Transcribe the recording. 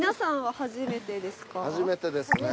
初めてです。